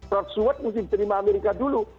rock swat mesti diterima amerika dulu